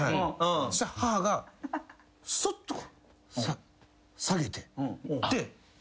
そしたら母がそっと下げて。